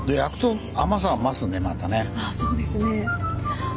そうですね。